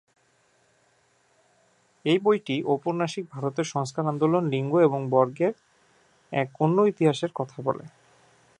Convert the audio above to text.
এই বইটি ঔপনিবেশিক ভারতের সংস্কার আন্দোলন, লিঙ্গ এবং বর্গের এক অন্য ইতিহাসের কথা বলে।